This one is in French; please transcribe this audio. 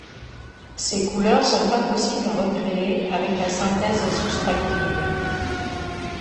Ces couleurs sont impossibles à recréer avec la synthèse soustractive.